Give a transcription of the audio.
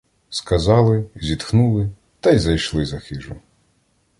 Сказали, зітхнули, та й зайшли за хижу.